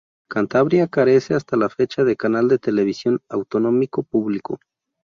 Cantabria carece hasta la fecha de canal de televisión autonómico público.